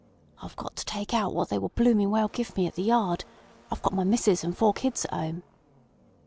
"I've got to take out what they will blooming well give me at the yard. I've got my missus and four kids at 'ome."